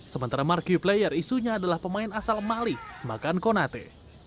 sementara marquee player isunya adalah pemain asal mali makan konate